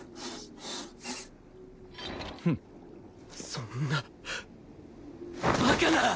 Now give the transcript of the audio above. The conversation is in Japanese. そんなバカな！